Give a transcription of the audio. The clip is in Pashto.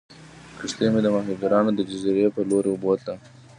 کښتۍ مې د ماهیګیرانو د جزیرې په لورې بوتله.